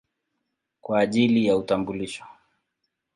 kwa ajili ya utambulisho.